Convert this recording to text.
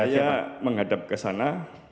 saya menghadap kesana